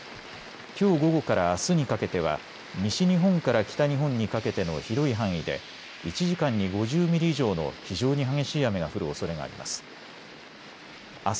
きょう午後からあすにかけては西日本から北日本にかけての広い範囲で１時間に５０ミリ以上の非常に激しい雨が降るおそれがあります。